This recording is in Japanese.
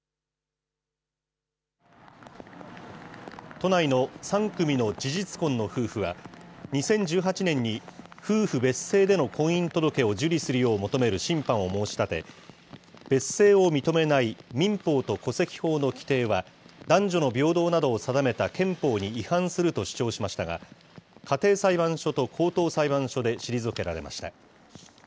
都内の３組の事実婚の夫婦は、２０１８年に夫婦別姓での婚姻届を受理するよう求める審判を申し立て、別姓を認めない民法と戸籍法の規定は、男女の平等などを定めた憲法に違反すると主張しましたが、家庭裁判所と高等裁判所で退けられました。